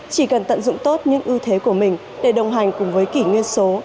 chỉ cần tận dụng tốt những ưu thế của mình để đồng hành cùng với kỷ nguyên số